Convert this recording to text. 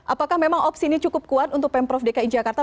apakah memang opsi ini cukup kuat untuk pemprov dki jakarta